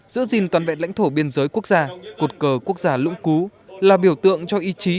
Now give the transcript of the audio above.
giữ gìn toàn vẹn lãnh thổ biên giới quốc gia cột cờ quốc gia lũng cú là biểu tượng cho ý chí